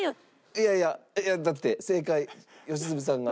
いやいやいやだって正解良純さんが。